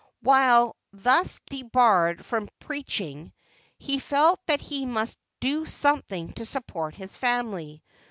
While thus debarred from preaching, he felt that he must do something to support his family.